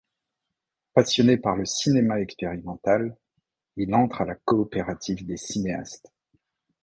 Passionné par le cinéma expérimental, il entre à la Coopérative des Cinéastes.